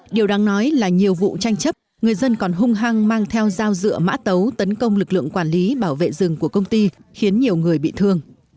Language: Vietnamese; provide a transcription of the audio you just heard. điều đáng nói là nhiều vụ tranh chấp người dân còn hung hăng mang theo dao dựa mã tấu tấn công lực lượng quản lý bảo vệ rừng của công ty khiến nhiều người bị thương